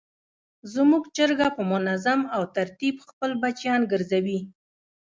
زموږ چرګه په نظم او ترتیب خپل بچیان ګرځوي.